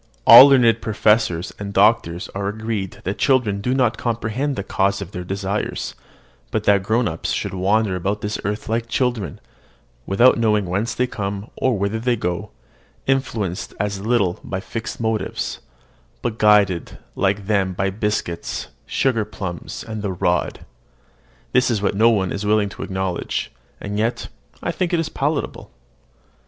All learned professors and doctors are agreed that children do not comprehend the cause of their desires; but that the grown up should wander about this earth like children, without knowing whence they come, or whither they go, influenced as little by fixed motives, but guided like them by biscuits, sugar plums, and the rod, this is what nobody is willing to acknowledge; and yet I think it is palpable.